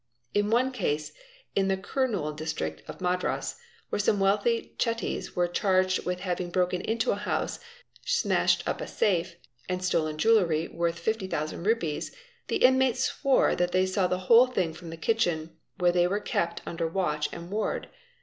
In one case, in the Kurnool District of Madras, where some wealthy chetties were charged with having broken into a house, smashed up a safe, and stolen jewellery worth : Rs. 50,000, the inmates swore they saw the whole thing from the kitchen, — where they were kept under watch and ward.